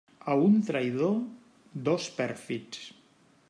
A un traïdor, dos pèrfids.